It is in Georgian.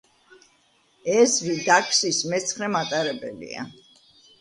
ეზრი დაქსის მეცხრე მატარებელია.